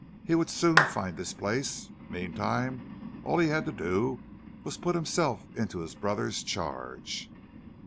He would soon find his place; meantime all he had to do was to put himself into his brother's charge.